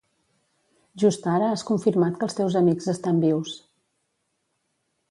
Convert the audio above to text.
Just ara has confirmat que els teus amics estan vius.